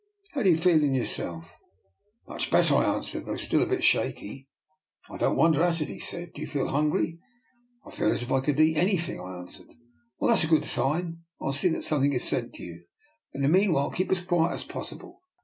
How do you feel in yourself? "" Much better," I answered, " though still a bit shaky." " I don't wonder at it," he said. " Do you feel hungry? "" I feel as if I could eat anything," I an swered. Well, that's a good sign. I'll see that something is sent you. In the meanwhile keep as quiet as possible.